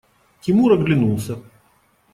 Тимур оглянулся.